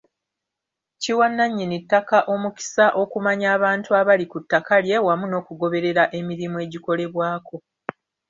Kiwa nannyini ttaka omukisa okumanya abantu abali ku ttaka lye wamu n'okugoberera emirimu egikolebwako.